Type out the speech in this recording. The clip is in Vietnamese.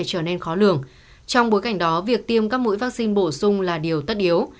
trong bối cảnh đó việc tiêm các mũi vaccine bổ sung là điều tất yếu